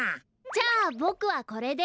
じゃあボクはこれで。